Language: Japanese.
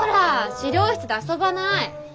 資料室で遊ばない！